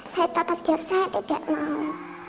saya tetap biar saya tidak mau